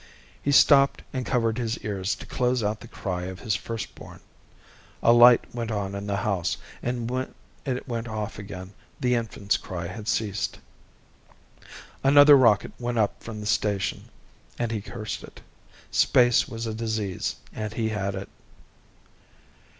He stopped and covered his ears to close out the cry of his firstborn. A light went on in the house, and when it went off again, the infant's cry had ceased. Another rocket went up from the station, and he cursed it. Space was a disease, and he had it.